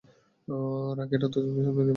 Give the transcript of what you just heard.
রাখ, এটা তোর কাছেই নিরাপদ থাকবে।